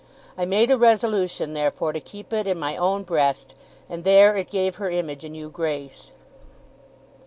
I made a resolution, therefore, to keep it in my own breast; and there it gave her image a new grace.